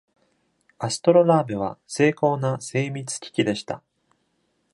アストロラーベは精巧な精密機器でした。